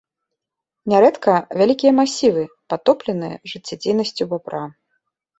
Нярэдка вялікія масівы падтопленыя жыццядзейнасцю бабра.